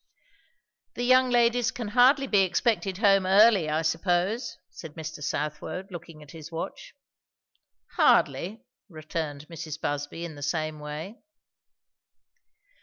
"The young ladies can hardly be expected home early, I suppose?" said Mr. Southwode, looking at his watch. "Hardly" returned Mrs. Busby in the same way.